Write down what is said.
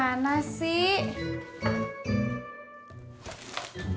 emang abang nyimpannya dimana sih